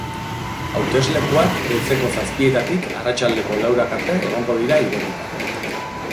Hauteslekuak goizeko zazpietatik arratsaldeko laurak arte egongo dira irekita.